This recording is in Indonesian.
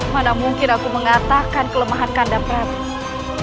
mana mungkin aku mengatakan kelemahan kanda perhatian